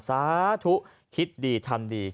สาธุคิดดีทำดี